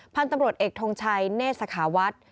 พันธ์ตำรวจเอกทรงชัยเนศสาขาวัด